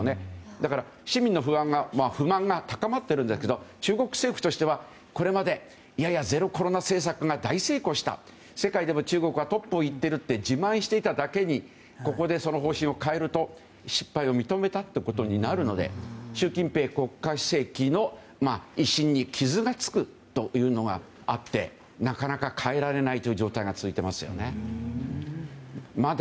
だから、市民の不満が高まっているんですけど中国政府としてはこれまでいやいやゼロ金利政策が大成功した、世界でも中国はトップをいっていると自慢していただけにここで、その方針を変えると失敗を認めたことになるので習近平国家主席の威信に傷がつくというのがあってなかなか変えられないという状態が続いていますよね。